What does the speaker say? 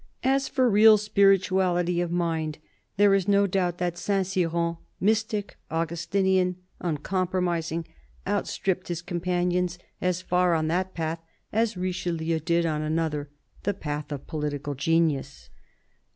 As for real spirituality of mind, there is no doubt that Saint Cyran, mystic, Augustinian, uncompromising, outstripped his companions as far on that path as Richelieu did on another —the path of political genius.